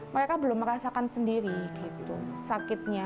mereka belum merasakan sendiri gitu sakitnya